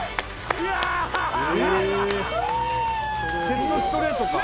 セットストレートか。